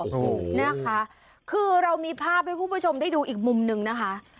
ถูกนะคะคือเรามีภาพให้คุณผู้ชมได้ดูอีกมุมหนึ่งนะคะ